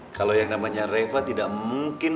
kalau yang namanya reva tidak mungkin